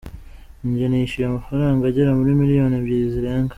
Jye nishyuye amafranga agera muri miliyoni ebyiri zirenga".